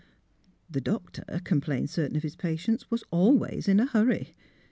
" The doctor," complained certain of his pa tients, " was always in a hurry."